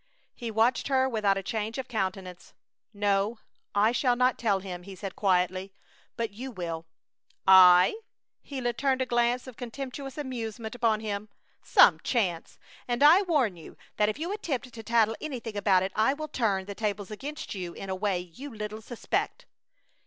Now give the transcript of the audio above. He watched her without a change of countenance. "No, I shall not tell him," he said, quietly; "but you will!" "I?" Gila turned a glance of contemptuous amusement upon him. "Some chance! And I warn you that if you attempt to tattle anything about it I will turn, the tables against you in a way you little suspect."